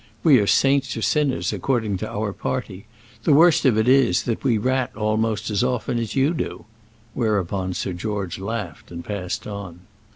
We are saints or sinners according to our party. The worst of it is, that we rat almost as often as you do." Whereupon Sir George laughed and passed on.